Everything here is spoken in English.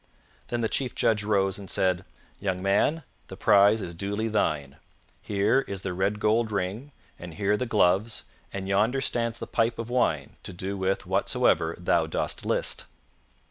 Then the chief judge rose and said, "Young man, the prize is duly thine. Here is the red gold ring, and here the gloves, and yonder stands the pipe of wine to do with whatsoever thou dost list."